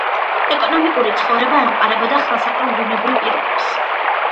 ეკონომიკური ცხოვრება ემყარებოდა ხელსაყრელ ბუნებრივ პირობებს.